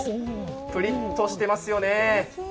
プリッとしてますよね。